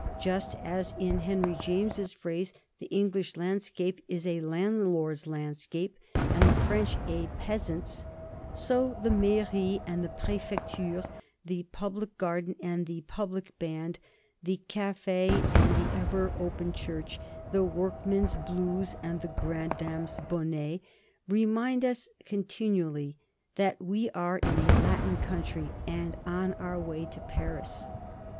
Just as, in Henry James's phrase, the English landscape is a landlord's landscape, and the French a peasant's, so the mairie and the prefecture, the public garden and the public band, the cafe and the ever open church, the workman's blouse and the grandam's bonnet, remind us continually that we are in a Latin country and on our way to Paris.